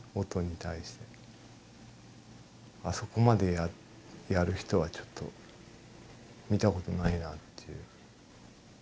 あそこまでやる人はちょっと見たことないなという。